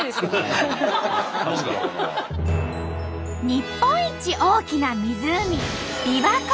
日本一大きな湖びわ湖。